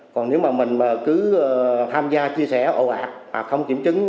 còn nếu mà mình cứ tham gia chia sẻ ồ ạc không kiểm chứng